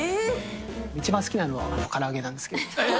一番好きなのはから揚げなんです